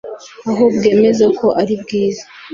aho bwemeza ko ari bwiza